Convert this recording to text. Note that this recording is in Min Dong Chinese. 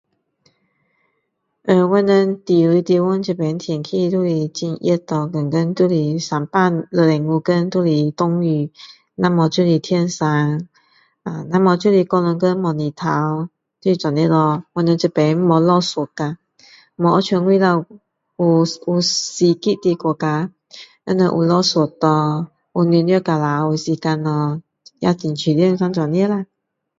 呃我们住的地方这边天气都是很热咯天天都是三百六十五天都是下雨要么就是天热呃那么就是一整天没太阳这是这样咯我们这边没下雪啊没好像外面有有四季的国家就像有下雪咯有叶子掉下的时间咯也很舒服像这样子啦